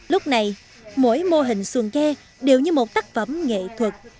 lúc này mỗi mô hình xuồng ghe đều như một tác phẩm nghệ thuật